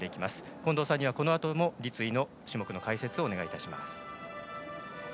近藤さんには、このあとも立位の種目の解説をお願いします。